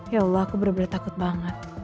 ya allah aku benar benar takut banget